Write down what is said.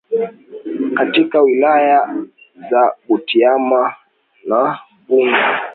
katika wilaya za Butiama na Bunda